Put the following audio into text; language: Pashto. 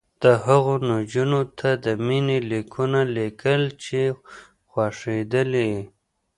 هغو نجونو ته د مینې لیکونه لیکل چې خوښېدلې یې